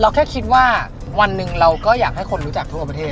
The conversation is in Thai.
แค่คิดว่าวันหนึ่งเราก็อยากให้คนรู้จักทั่วประเทศ